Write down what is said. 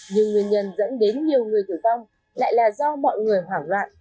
nhưng nguyên nhân dẫn đến nhiều người tử vong lại là do mọi người hoảng loạn